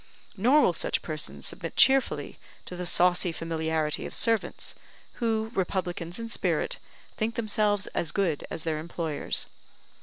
Nor will such persons submit cheerfully to the saucy familiarity of servants, who, republicans in spirit, think themselves as good as their employers.